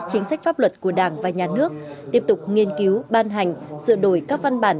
chính sách pháp luật của đảng và nhà nước tiếp tục nghiên cứu ban hành sửa đổi các văn bản